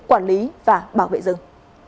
quản lý và bảo vệ rừng